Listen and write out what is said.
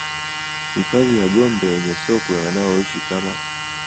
Hifadhi ya Gombe yenye sokwe wanaoishi kama